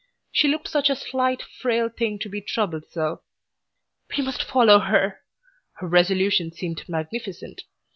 She looked such a slight, frail thing to be troubled so. "We must follow her." Her resolution seemed magnificent.